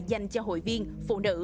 dành cho hội viên phụ nữ